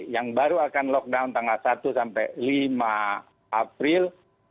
yang baru akan lockdown tanggal satu sampai lima april